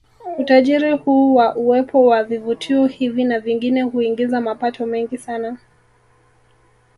Utajiri huu wa uwepo wa vivutio hivi na vingine huingiza mapato mengi sana